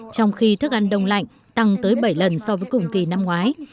trong khi thức ăn đông lạnh tăng tới bảy lần so với cùng kỳ năm ngoái